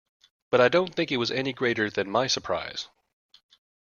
But I don't think it was any greater than my surprise.